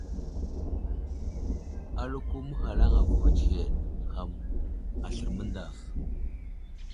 Aləko məhalaŋ avohw tsəhed ham aslər məŋdav.